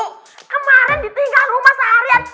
kemarin ditinggal rumah seharian